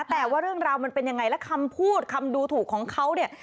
แต่ว่าเรื่องราวมันเป็นยังไงและคำพูดคำดูถูกของเขาเนี่ย